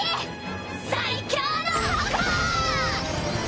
「最強の矛」！